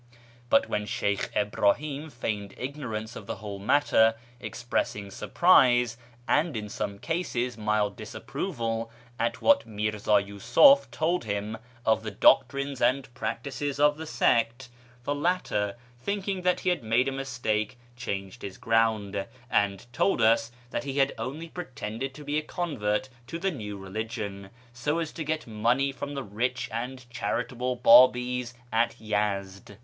But when Sheykh Ibrahim feigned ignorance of the whole matter, expressing surprise, and, in some cases, mild disapproval, at what Mi'rza Yiisuf told him of the doctrines and practices of the sect, the latter, thinking that he had made a mistake, changed his ground, and told us that he h^ d only pretended to be a convert to the new religion so as to get money from tlie rich and charitable Babis at Yezd.